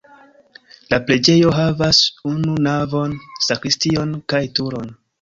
La preĝejo havas unu navon, sakristion kaj turon.